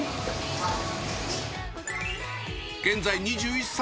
現在２１歳。